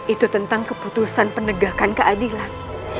itu tentang keputusan penegakan keadilan